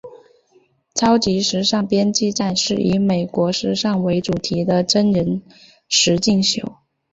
超级时尚编辑战是以美国时尚为主题的真人实境秀。